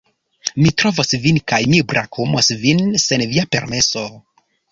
Mi trovos vin kaj mi brakumos vin sen via permeso...